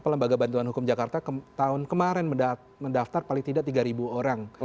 lembaga bantuan hukum jakarta tahun kemarin mendaftar paling tidak tiga orang